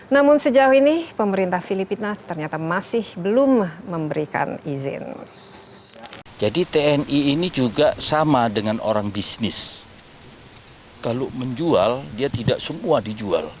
namun sejauh ini pemerintah filipina ternyata masih belum mengetahui